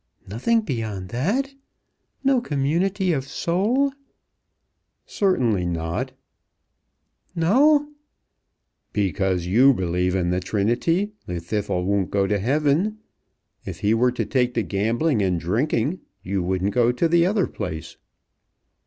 "Nothing beyond that? No community of soul?" "Certainly not." "No!" "Because you believe in the Trinity, Llwddythlw won't go to heaven. If he were to take to gambling and drinking you wouldn't go to the other place."